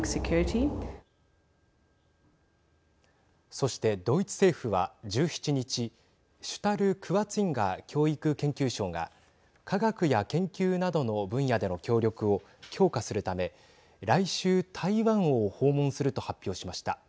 そして、ドイツ政府は１７日シュタルクワツィンガー教育・研究相が科学や教育などの分野での協力を強化するため来週、台湾を訪問すると発表しました。